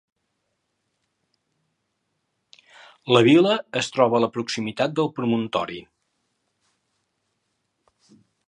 La vila es troba a la proximitat del promontori.